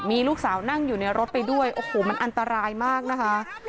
มีลูกสาวนั่งอยู่ในรถไปด้วยโอ้โหมันอันตรายมากนะคะ